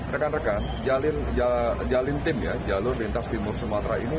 rekan rekan jalin tim ya jalur lintas timur sumatera ini